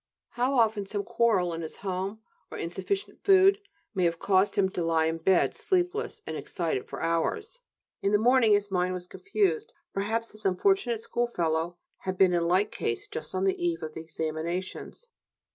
How often some quarrel in his home, or insufficient food, may have caused him to lie in bed, sleepless and excited, for hours? In the morning his mind was confused. Perhaps his unfortunate schoolfellow had been in like case just on the eve of the examinations.